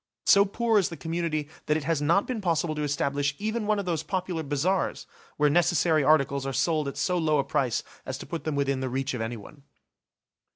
So poor is the community that it has not been possible to establish even one of those popular bazars where necessary articles are sold at so low a price as to put them within the reach of anyone.